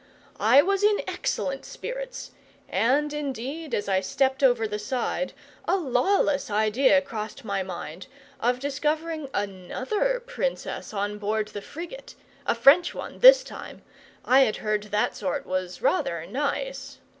I was in excellent spirits, and, indeed, as I stepped over the side, a lawless idea crossed my mind, of discovering another Princess on board the frigate a French one this time; I had heard that that sort was rather nice.